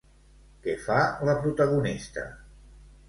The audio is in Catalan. Què fa la protagonista?